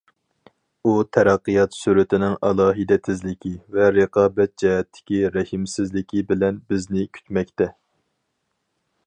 ئۇ، تەرەققىيات سۈرىتىنىڭ ئالاھىدە تېزلىكى ۋە رىقابەت جەھەتتىكى رەھىمسىزلىكى بىلەن بىزنى كۈتمەكتە.